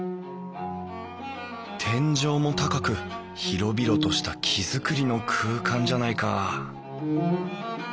天井も高く広々とした木造りの空間じゃないか。